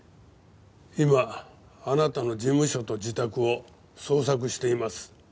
今あなたの事務所と自宅を捜索しています。